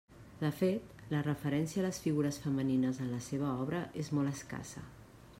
De fet, la referència a les figures femenines en la seva obra és molt escassa.